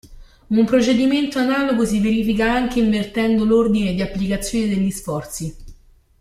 Un procedimento analogo si verifica anche invertendo l'ordine di applicazione degli sforzi.